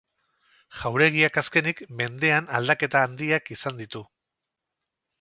Jauregiak azkenik mendean aldaketa handiak izan ditu.